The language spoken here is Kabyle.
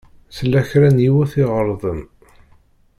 Tella kra n yiwet i iɣelḍen.